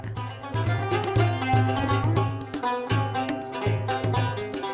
selain itu ada kesenian lainnya